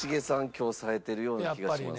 今日さえてるような気がします。